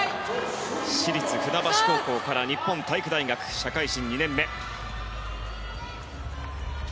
市立船橋高校から日本体育大学社会人２年目。